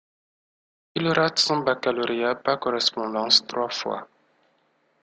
Il rate son baccalauréat par correspondance trois fois.